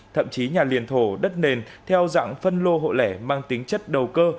thậm chí nhà liền thổ đất nền theo dạng phân lô hộ lẻ mang tính chất đầu cơ